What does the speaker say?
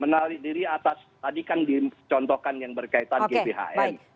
menarik diri atas contoh yang berkaitan dengan pphn